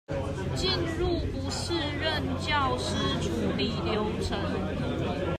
進入不適任教師處理流程